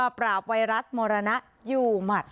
ปราบไวรัสมรณะอยู่หมัด